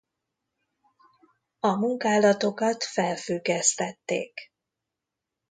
A munkálatokat felfüggesztették.